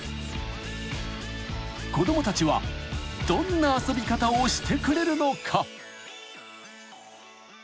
［子供たちはどんな遊び方をしてくれるのか？］